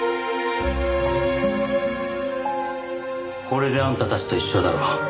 これであんたたちと一緒だろ。